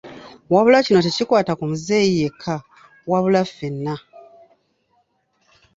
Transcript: Wabula kino tekikwata ku muzeeyi yekka wabula ffena.